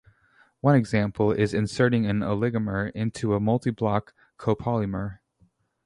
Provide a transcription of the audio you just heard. One example is inserting an oligomer into a multiblock copolymer.